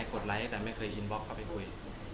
กดไลค์แต่ไม่เคยอินบล็อกเข้าไปคุย